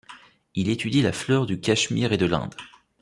Il étudie la flore du Cachemire et de l’Inde.